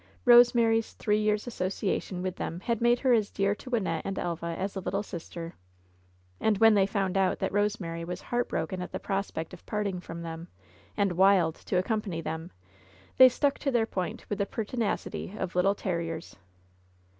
Eose mary's three years association with them had made her as dear to Wynnette and Elva as a little sister. And when they found out that Eosemary was heartbroken at the prospect of parting from them, and "wild" to accompany them, they stuck to their point with the per tinacity of little terriers.